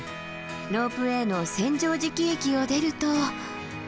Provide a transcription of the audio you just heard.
ロープウエーの千畳敷駅を出ると。